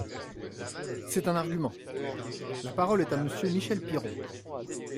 C’est un argument ! La parole est à Monsieur Michel Piron.